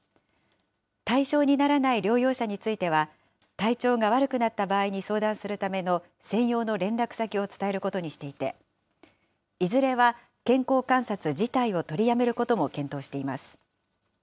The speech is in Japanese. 対象にならない療養者については、体調が悪くなった場合に相談するための専用の連絡先を伝えることにしていて、いずれは健康観察自体を取りやめることも検討しています。